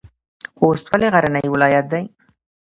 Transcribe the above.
خوست ولې غرنی ولایت دی؟